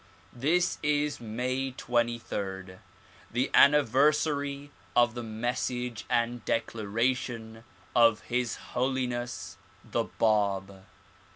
This is May 23 the anniversary of the message and declaration of His Holiness the Bab.